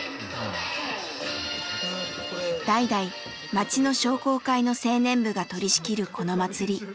代々町の商工会の青年部が取りしきるこの祭り。